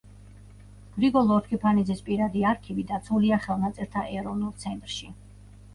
გრიგოლ ლორთქიფანიძის პირადი არქივი დაცულია ხელნაწერთა ეროვნულ ცენტრში.